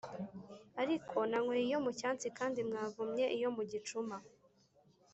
ariko nanyweye iyo mu cyansi kandi mwavumye iyo mu gicuma